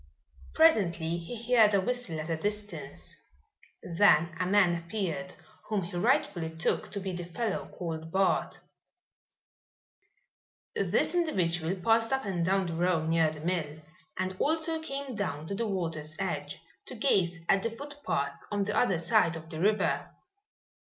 Presently he heard a whistle at a distance. Then a man appeared whom he rightfully took to be the fellow called Bart. This individual passed up and down the road near the mill and also came down to the water's edge, to gaze at the footpath on the other side of the river.